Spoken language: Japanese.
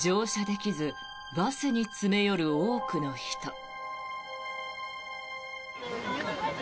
乗車できずバスに詰め寄る多くの人。